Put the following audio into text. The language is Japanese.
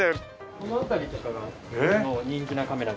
この辺りとかが人気なカメラですね。